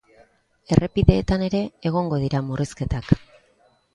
Errepideetan ere egongo dira murrizketak.